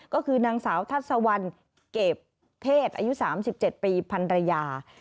ก็คือนางสาวทัศวรรณเก็บเทศอายุ๓๗ปีพันรยา